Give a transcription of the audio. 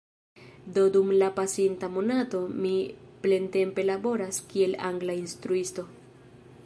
Do dum la pasinta monato mi plentempe laboras kiel angla instruisto